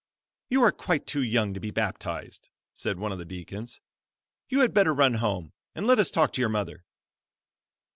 "You are quite too young to be baptized," said one of the deacons, "you had better run home, and let us talk to your mother."